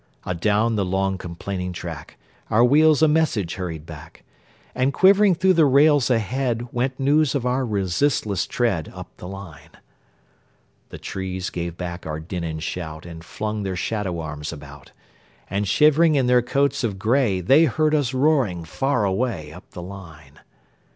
Adown the long, complaining track, Our wheels a message hurried back; And quivering through the rails ahead, Went news of our resistless tread, Up the line. The trees gave back our din and shout, And flung their shadow arms about; And shivering in their coats of gray, They heard us roaring far away, Up the line.